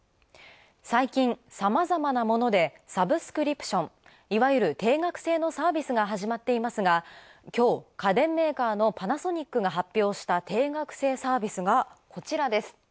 最近さまざまなもので、サブスクリプション、いわゆる定額制のサービスが始まっていますが、きょう、家電メーカーのパナソニックが発表した定額制サービスが、こちらです。